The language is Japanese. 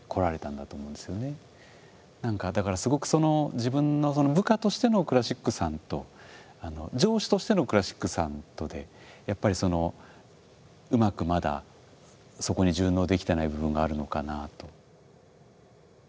何かだからすごくその自分の部下としてのクラシックさんと上司としてのクラシックさんとでやっぱりうまくまだそこに順応できてない部分があるのかなあと。